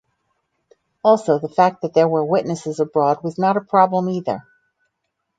Also, the fact that there were witnesses abroad was not a problem either.